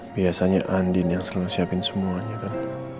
biasanya andin yang selalu siapin semuanya kan